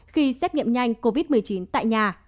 khi xét nghiệm nhanh covid một mươi chín tại nhà